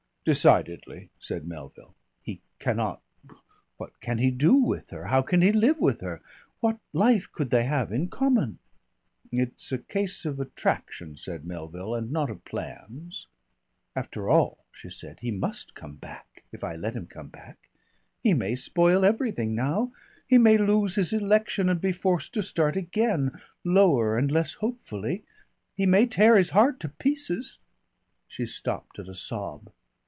"Decidedly," said Melville. "He cannot What can he do with her? How can he live with her? What life could they have in common?" "It's a case of attraction," said Melville, "and not of plans." "After all," she said, "he must come back if I let him come back. He may spoil everything now; he may lose his election and be forced to start again, lower and less hopefully; he may tear his heart to pieces " She stopped at a sob.